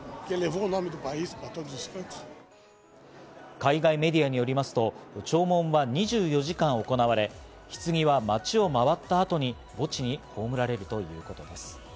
海外メディアによりますと、弔問は２４時間行われ、棺は町を回った後に墓地に葬られるということです。